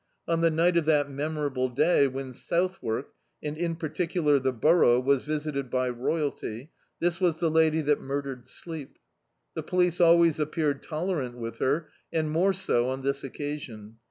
On the nig^t of that memorable day when South wark, and in particular the Borou^ was visited by royalty, this was the lady that murdered sleep. The police always appeared tolerant with her, and more so on this occasion.